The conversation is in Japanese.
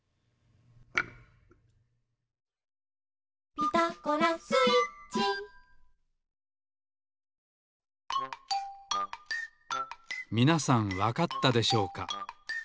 「ピタゴラスイッチ」みなさんわかったでしょうか。